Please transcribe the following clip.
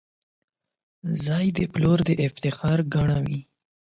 • زوی د پلار د افتخار ګاڼه وي.